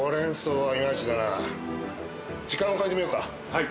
はい。